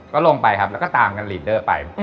ก็ลงไปครับแล้วก็ตามกันลีดเดอร์ไป